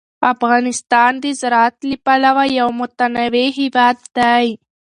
افغانستان د زراعت له پلوه یو متنوع هېواد دی.